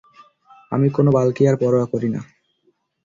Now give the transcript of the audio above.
আমি কোনও বালকেই আর পরোয়া করি না!